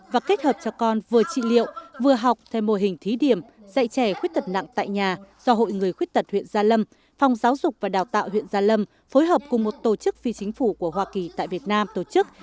và kết hợp cho con vừa trị liệu vừa học theo mô hình thí điểm dạy trẻ khuyết tật nặng tại nhà do hội người khuyết tật huyện gia lâm phòng giáo dục và đào tạo huyện gia lâm phối hợp cùng một tổ chức phi chính phủ của hoa kỳ tại việt nam tổ chức